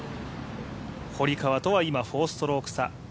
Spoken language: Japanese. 堀川とは今、４ストローク差。